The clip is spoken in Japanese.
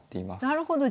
なるほど。